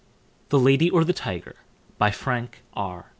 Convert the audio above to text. THE LADY, OR THE TIGER? by Frank R.